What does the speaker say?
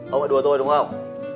ông lại đùa tôi đúng không